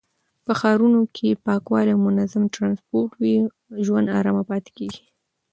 په ښارونو کې چې پاکوالی او منظم ټرانسپورټ وي، ژوند آرام پاتې کېږي.